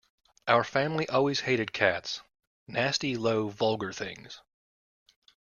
Our family always hated cats: nasty, low, vulgar things!